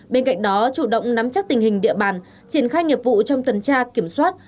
bên cạnh đó chủ động nắm chắc tình hình địa bàn triển khai nghiệp vụ trong tuần tra kiểm soát